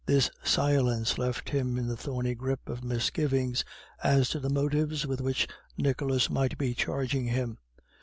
This silence left him in the thorny grip of misgivings as to the motives with which Nicholas might be charging him.